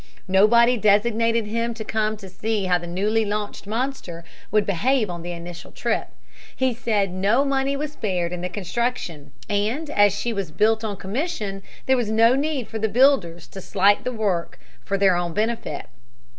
Nobody designated him to come to see how the newly launched monster would behave on the initial trip. He said that no money was spared in the construction, and as she was built on commission there was no need for the builders to slight the work for their own benefit.